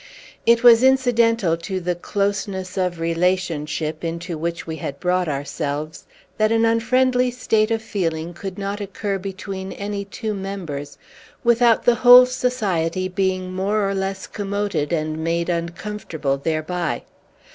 It was incidental to the closeness of relationship into which we had brought ourselves, that an unfriendly state of feeling could not occur between any two members without the whole society being more or less commoted and made uncomfortable thereby.